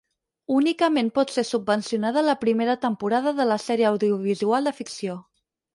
Únicament pot ser subvencionada la primera temporada de la sèrie audiovisual de ficció.